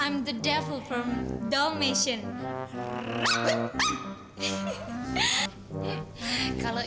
main film enggak